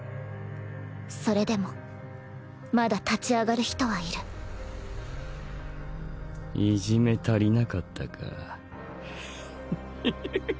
それでもまだ立ち上がる人はいる虐め足りなかったかぁ。